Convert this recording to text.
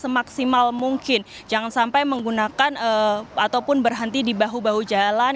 dan maksimal mungkin jangan sampai menggunakan ataupun berhenti di bahu bahu jalan